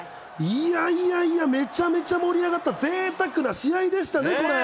いやいやいや、めちゃめちゃ盛り上がったぜいたくな試合でしたね、これ。